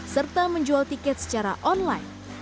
serta menjual tiket secara online